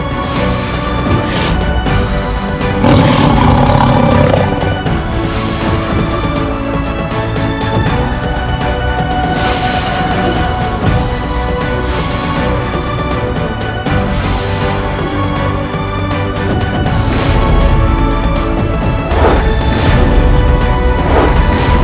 terima kasih bapak